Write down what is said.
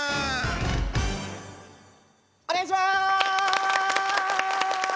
お願いします！